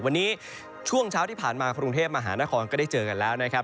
วันนี้ช่วงเช้าที่ผ่านมากรุงเทพมหานครก็ได้เจอกันแล้วนะครับ